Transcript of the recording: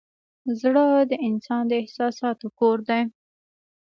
زړه د انسان د احساساتو کور دی.